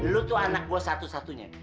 dulu tuh anak gue satu satunya